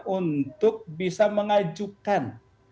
untuk bisa mengajukan